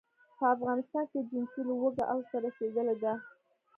په افغانستان کې جنسي لوږه اوج ته رسېدلې ده.